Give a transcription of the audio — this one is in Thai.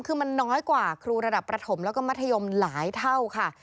คือมันน้อยกว่าครูระดับประถมแล้วก็มัธยมหลายเท่าค่ะ